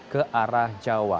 ke arah jawa